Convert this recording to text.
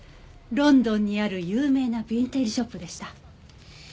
ロンドンにある有名なヴィンテージショップでした。